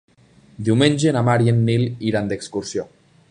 Diumenge na Mar i en Nil iran d'excursió.